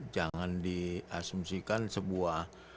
jangan diasumsikan sebuah